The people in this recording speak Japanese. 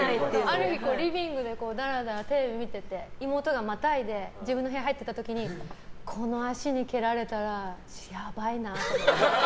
ある日、リビングでだらだらテレビ見てて妹がまたいで自分の部屋入っていった時にこの脚にけられたらやばいなと思って。